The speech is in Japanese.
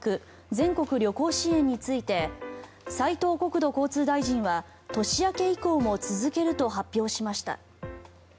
全国旅行支援について斉藤国土交通大臣は年明け以降も続けると発表しました。